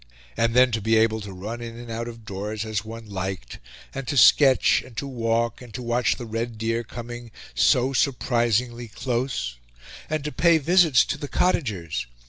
And then to be able to run in and out of doors as one liked, and to sketch, and to walk, and to watch the red deer coming so surprisingly close, and to pay visits to the cottagers!